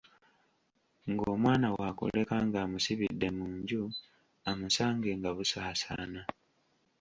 Ng’omwana waakuleka ng’amusibidde mu nju amusange nga busaasaana.